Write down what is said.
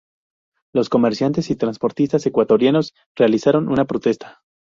Los comerciantes y transportistas ecuatorianos realizaron una protesta.